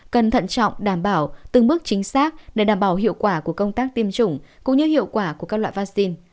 cần thận trọng đảm bảo từng bước chính xác để đảm bảo hiệu quả của công tác tiêm chủng cũng như hiệu quả của các loại vaccine